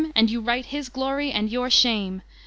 And you write his glory and your shame